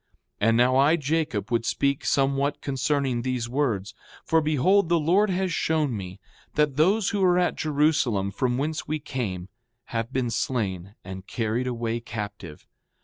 6:8 And now I, Jacob, would speak somewhat concerning these words. For behold, the Lord has shown me that those who were at Jerusalem, from whence we came, have been slain and carried away captive.